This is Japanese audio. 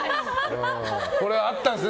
これは、あったんですね？